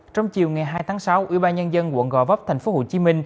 trong chiều ngày hai tháng sáu ủy ban nhân dân quận gò vấp tp hcm